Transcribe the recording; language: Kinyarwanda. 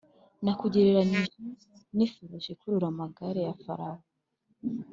Nakugereranije n’ifarashi ikurura amagare ya Farawo.